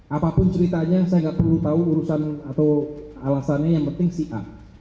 apapun ceritanya saya nggak perlu tahu urusan atau alasannya yang penting si a